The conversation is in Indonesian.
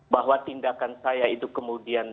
bahwa tindakan saya itu kemudian